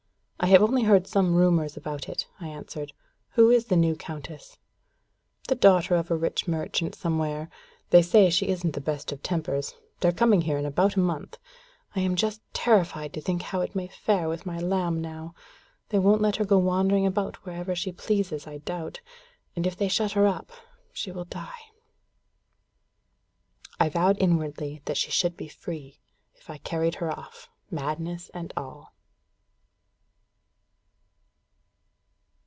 "I have only heard some rumours about it," I answered. "Who is the new countess?" "The daughter of a rich merchant somewhere. They say she isn't the best of tempers. They're coming here in about a month. I am just terrified to think how it may fare with my lamb now. They won't let her go wandering about wherever she pleases, I doubt. And if they shut her up, she will die." I vowed inwardly that she should be free, if I carried her off, madness and all.